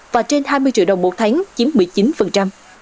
và trên hai mươi triệu đồng một tháng chiếm một mươi chín